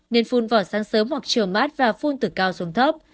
nên phun vỏ sáng sớm hoặc trường mát và phun từ cao xuống thấp